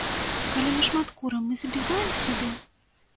Калі мы шмат курым, мы забіваем сябе?